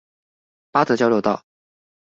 八德交流道